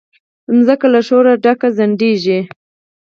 مځکه له شوره ډکه خندیږي